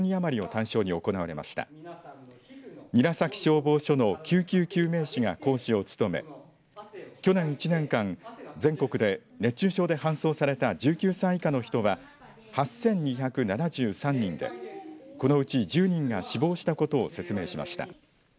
消防署の救急救命士が講師を務め去年一年間全国で熱中症で搬送された１９歳以下の人は８２７３人でこのうち１０人が死亡したことを説明しました。